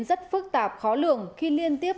rất phức tạp khó lường khi liên tiếp